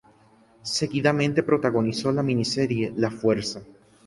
Seguidamente protagonizó la miniserie "La fuerza".